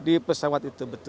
di pesawat itu betul